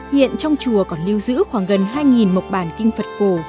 hiện trong chùa còn lưu giữ khoảng gần hai mộc bản kinh phật cổ